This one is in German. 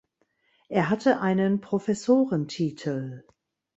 Er hatte einen Professorentitel.